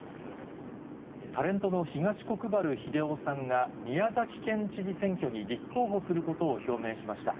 タレントの東国原英夫さんが、宮崎県知事選挙に立候補することを表明しました。